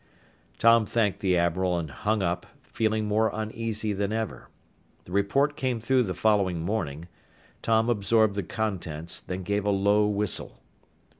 Tom thanked the admiral and hung up, feeling more uneasy than ever. The report came through the following morning. Tom absorbed the contents, then gave a low whistle.